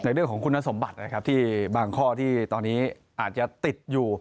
เรื่องของคุณสมบัตินะครับที่บางข้อที่ตอนนี้อาจจะติดอยู่